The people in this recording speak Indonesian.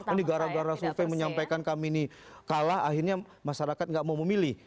ini gara gara survei menyampaikan kami ini kalah akhirnya masyarakat nggak mau memilih